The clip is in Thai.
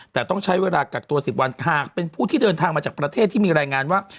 แต่ต้องใช้เวลากักตัว๑๐วันหากเป็นผู้ที่เดินทางมาจากประเทศที่มีรายงานว่า